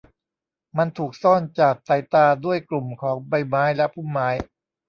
มันถูกซ่อนจากสายตาด้วยกลุ่มของใบไม้และพุ่มไม้